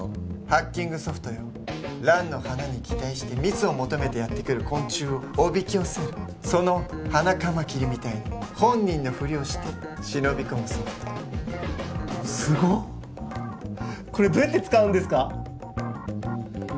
ハッキングソフトよランの花に擬態して蜜を求めてやってくる昆虫をおびき寄せるそのハナカマキリみたいに本人のふりをして忍び込むソフトすごっこれどうやって使うんですか？